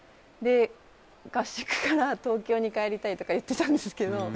合宿から東京に帰りたいとか言ってたんですけど。